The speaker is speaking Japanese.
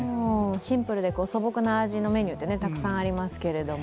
シンプルで素朴の味のメニューがたくさんありますけれども。